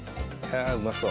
あうまそう。